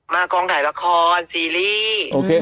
กองถ่ายละครซีรีส์